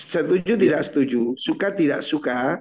setuju tidak setuju suka tidak suka